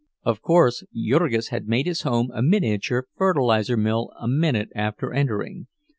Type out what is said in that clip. Of course Jurgis had made his home a miniature fertilizer mill a minute after entering.